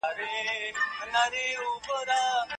الله د بنده خیر غواړي.